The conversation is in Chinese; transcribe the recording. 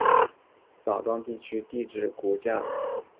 枣庄地区地质构造骨架形成于中生代的燕山期。